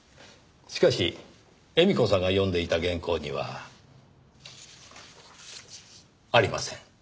しかし絵美子さんが読んでいた原稿にはありません。